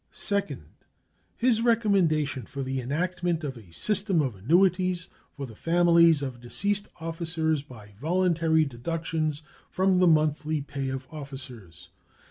Second. His recommendation for the enactment of a system of annuities for the families of deceased officers by voluntary deductions from the monthly pay of officers.